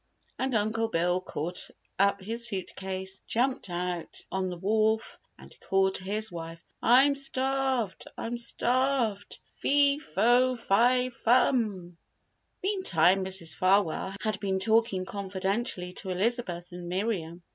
And Uncle Bill caught up his suitcase, jumped out on the wharf, and called to his wife: "I'm starved! I'm starved! Fee fo fi fum!" Meantime Mrs. Farwell had been talking confidentially to Elizabeth and Miriam.